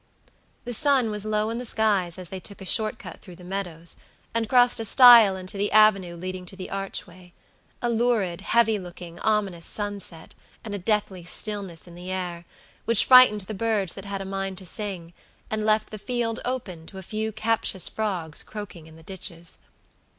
The sun was low in the skies as they took a short cut through the meadows, and crossed a stile into the avenue leading to the archwaya lurid, heavy looking, ominous sunset, and a deathly stillness in the air, which frightened the birds that had a mind to sing, and left the field open to a few captious frogs croaking in the ditches.